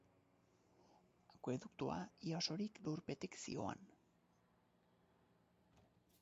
Akueduktua, ia osorik, lurpetik zihoan.